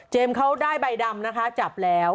เขาได้ใบดำนะคะจับแล้ว